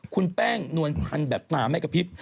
คุณแป้งนวลพันธ์แบบตาไม่กระพริบ